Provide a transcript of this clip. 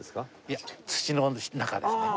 いや土の中ですね。